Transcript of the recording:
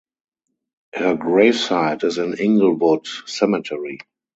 Her gravesite is in Inglewood Cemetery.